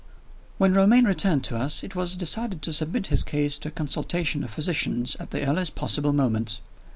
When Romayne returned to us, it was decided to submit his case to a consultation of physicians at the earliest possible moment.